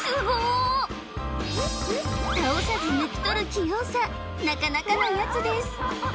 倒さず抜き取る器用さなかなかなやつです